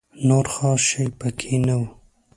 نور خاص شی په کې نه و.